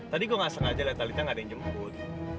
tadi kok gak sengaja liat talitha gak ada yang jemput